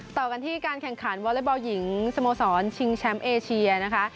ต่อกันที่การแข่งขันวอเล็กบอลหญิงสโมสรชิงแชมป์เอเชียนะคะ